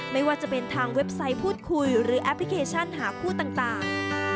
ไม่ว่าจะเป็นทางเว็บไซต์พูดคุยหรือแอปพลิเคชันหาคู่ต่าง